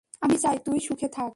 আমি চাই তুই সুখে থাক।